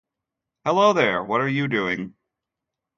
Hello there. What are you doing?